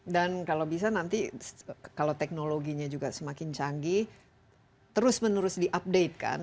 dan kalau bisa nanti kalau teknologinya juga semakin canggih terus menerus diupdate kan